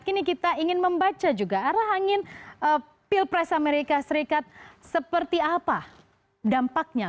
kini kita ingin membaca juga arah angin pilpres amerika serikat seperti apa dampaknya